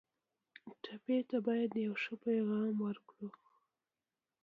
ټپي ته باید یو ښه پیغام ورکړو.